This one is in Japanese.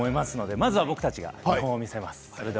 まずは僕たちが見本を見せます。